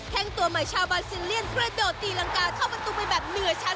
แค่งตัวใหม่ชาวบาซิลเลียนกระโดดตีรังกาเข้าประตูไปแบบเหนือชั้น